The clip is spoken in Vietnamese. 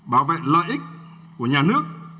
bảo vệ lợi ích của nhà nước